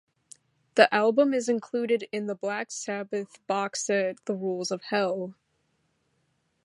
The album is included in the Black Sabbath box set "The Rules of Hell".